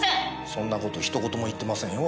そんな事ひと言も言ってませんよ